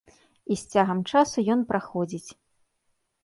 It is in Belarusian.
І з цягам часу ён праходзіць.